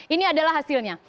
ini adalah hasilnya